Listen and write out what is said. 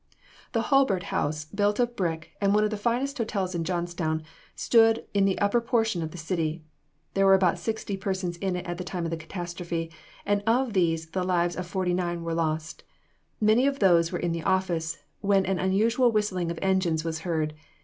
The Hulbert House, built of brick, and one of the finest hotels in Johnstown, stood in the upper portion of the city. There were about sixty persons in it at the time of the catastrophe, and of these, the lives of forty nine were lost. Many of these were in the office, when an unusual whistling of engines was heard.